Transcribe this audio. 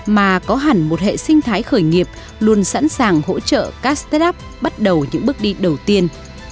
mà có hẳn một hệ sinh thái khởi nghiệp luôn sẵn sàng hỗ trợ các start up bắt đầu những bước đi đầu tiên